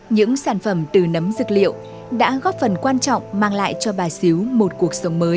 những sản phẩm từ nấm dược liệu đã góp phần quan trọng mang lại cho bà xíu một cuộc sống mới